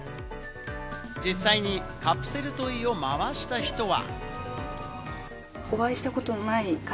実際にカプセルトイを回した人は。